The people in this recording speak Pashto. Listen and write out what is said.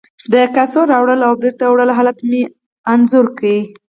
د کاسو راوړلو او بیرته وړلو حالت مې انځور کړ.